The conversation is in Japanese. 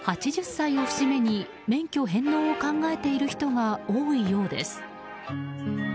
８０歳を節目に免許返納を考えている人が多いようです。